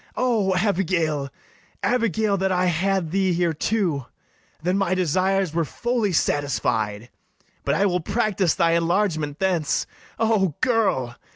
O Abigail, Abigail, that I had thee here too! Then my desires were fully satisfied: But I will practice thy enlargement thence: O girl!